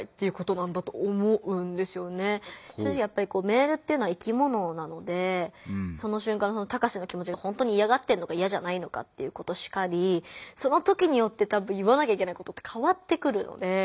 正直やっぱりメールっていうのは生きものなのでその瞬間のタカシの気もちがほんとにいやがってるのかいやじゃないのかっていうことしかりその時によって多分言わなきゃいけないことって変わってくるので。